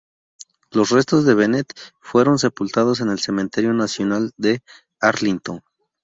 Los restos de Bennett fueron sepultados en el Cementerio Nacional de Arlington.